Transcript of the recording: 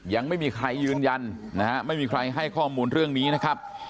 ยังไม่มีใครยืนยันนะฮะไม่มีใครให้ข้อมูลเรื่องนี้นะครับ